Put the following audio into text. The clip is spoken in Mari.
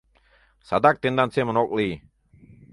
Садак тендан семын ок лий!